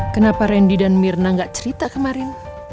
kenapa randy dan mirna gak cerita kemarin